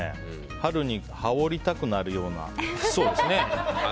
春に羽織りたくなるような。